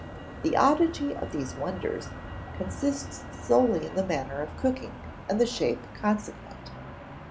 The oddity of these "wonders" consists solely in the manner of cooking, and the shape consequent.